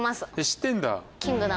知ってるんだ！